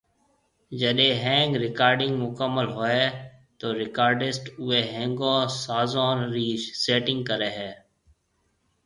جڏي ۿينگ رڪارڊنگ مڪمل ھوئي تو رڪارڊسٽ اوئي ۿينگون سازون ري سيٽنگ ڪري ھيَََ